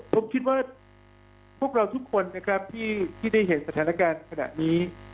ผมคิดว่าพวกเราทุกคนนะครับที่ได้เห็นสถานการณ์ขณะนี้